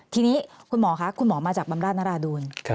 ทีนี้คุณหมอมาจากบำราชนราดูน